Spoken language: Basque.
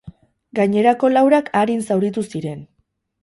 Gainerako laurak arin zauritu ziren.